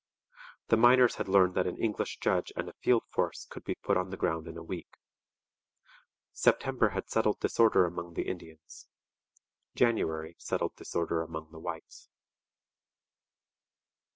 The miners had learned that an English judge and a field force could be put on the ground in a week. September had settled disorder among the Indians. January settled disorder among the whites.